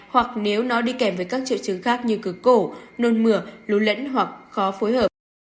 hoặc nếu nó đi kèm với các triệu chứng khác như cửa cổ nôn mửa lúa lẫn hoặc khó phối hợp